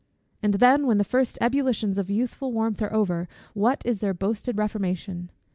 And then, when the first ebullitions of youthful warmth are over, what is their boasted reformation?